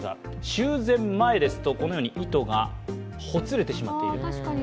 修繕前ですと、このように糸がほつれてしまっている。